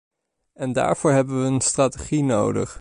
En daarvoor hebben we een strategie nodig.